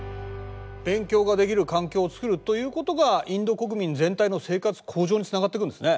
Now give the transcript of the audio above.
勉強ができる環境を作るということがインド国民全体の生活向上につながってくんですね。